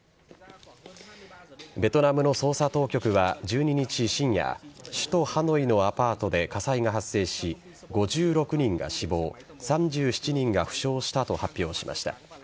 ベトナムの捜査当局は１２日深夜首都・ハノイのアパートで火災が発生し５６人が死亡３７人が負傷したと発表しました。